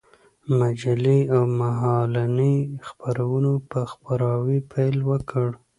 مجلې او مهالنۍ خپرونو په خپراوي پيل وكړ.